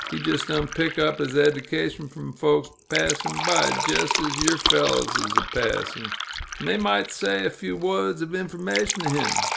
He jist done pick up his eddication from folks pass'n' by, jes' as yew fellers is a passin', 'n' they might say a few wuds o' information to him.